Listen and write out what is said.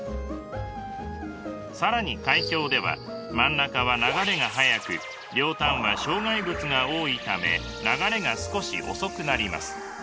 更に海峡では真ん中は流れが速く両端は障害物が多いため流れが少し遅くなります。